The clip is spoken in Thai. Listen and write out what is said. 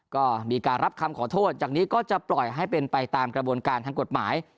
ก็มีการรับคำขอโทษจากนี้ก็จะปล่อยให้เป็นไปตามกระบวนการทางกฎหมาย